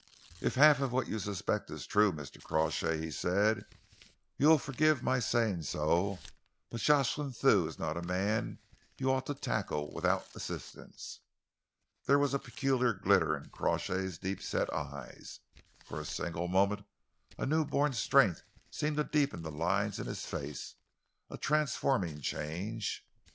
"If half what you suspect is true, Mr. Crawshay," he said, "you will forgive my saying so, but Jocelyn Thew is not a man you ought to tackle without assistance." There was a peculiar glitter in Crawshay's deep set eyes. For a single moment a new born strength seemed to deepen the lines in his face a transforming change.